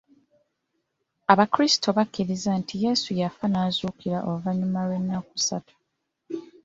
Abakrisito bakkiriza nti Yesu yafa n'azuukira oluvannyuma lw'ennaku ssatu.